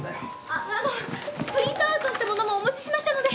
あのプリントアウトしたものもお持ちしましたので！